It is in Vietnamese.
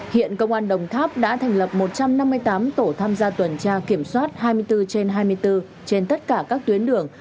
hiện công an đồng tháp đã thành lập một trăm năm mươi tám tổ tham gia tuần tra kiểm soát hai mươi bốn trên hai mươi bốn trên tất cả các tuyến đường